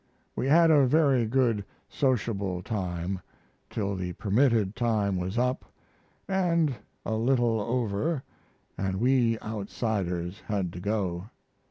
We had a very good sociable time till the permitted time was up &. a little over & we outsiders had to go.